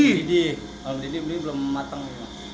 oh mendidih belum masaknya